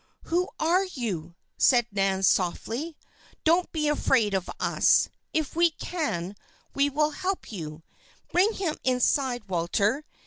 "Who are you?" asked Nan, softly. "Don't be afraid of us. If we can, we will help you. Bring him inside, Walter.